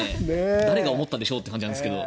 誰が思ったんでしょうっていう感じなんですけど。